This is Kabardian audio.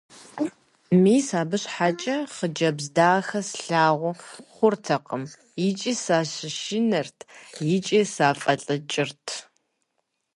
Мис абы щхьэкӀэ хъыджэбз дахэ слъагъу хъуртэкъым – икӀи сащышынэрт, икӀи сафӀэлӀыкӀырт.